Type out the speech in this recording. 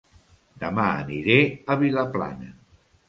Dema aniré a Vilaplana